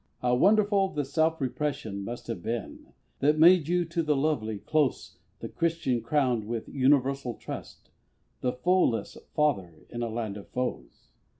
How wonderful the self repression must Have been, that made you to the lovely close The Christian crowned with universal trust, The foe less Father in a land of foes.